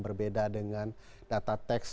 berbeda dengan data teks